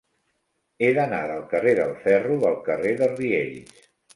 He d'anar del carrer del Ferro al carrer de Riells.